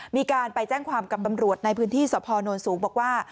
มีการไปแจ้งความกับตำรวจในพื้นที่สพนสูงบอกว่า